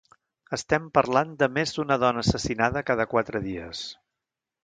Estem parlant de més d’una dona assassinada cada quatre dies.